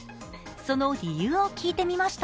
その理由を聞いてみました。